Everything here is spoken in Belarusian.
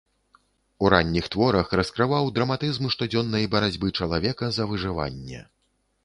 У ранніх творах раскрываў драматызм штодзённай барацьбы чалавека за выжыванне.